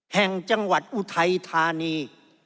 แห่งจังหวัดอุทัยธานี